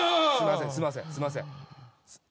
すいませんすいません。